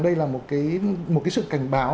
đây là một cái sự cảnh báo